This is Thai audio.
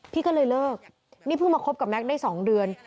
พี่ก็เลยเลิกนี่เพิ่งมาคบกับแม็กซ์ได้๒เดือน